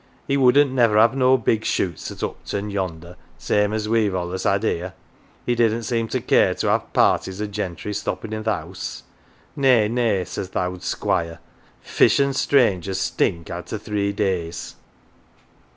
He wouldn't never have no big shoots at Upton yonder, same as weVe allus had here. He didn't seem to care to 'ave parties o' gentry stoppin' i' th' house. ' Nay, nay," 1 says tli* owd Squire, 'fish an* strangers stink arter three days.